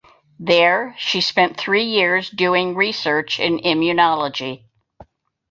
There she spent three years doing research in immunology.